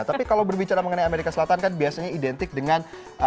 tapi kalau berbicara mengenai amerika selatan kan biasanya identik dengan